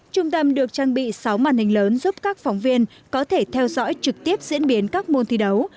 trung tâm được trang bị sáu màn hình lớn giúp các phóng viên có thể theo dõi trực tiếp diễn biến các môn thi đấu